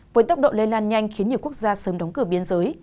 với tốc độ lây lan nhanh khiến nhiều quốc gia sớm đóng cửa biên giới